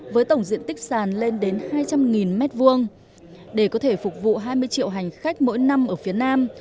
với tổng diện tích sàn lên đến hai trăm linh m hai để có thể phục vụ hai mươi triệu hành khách mỗi năm ở phía nam